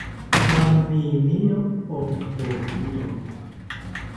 Aminiro ompokiro